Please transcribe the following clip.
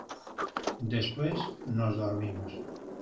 después nos dormimos.